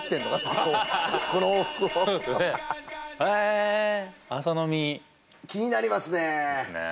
こここの往復をそうですよねへー朝飲み気になりますねいいっすね